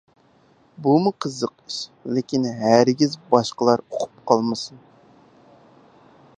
بۇمۇ قىزىق ئىش، لېكىن ھەرگىز باشقىلار ئۇقۇپ قالمىسۇن!